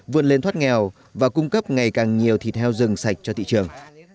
vươn lên thoát nghèo và cung cấp ngày càng nhiều thịt heo rừng sạch cho thị trường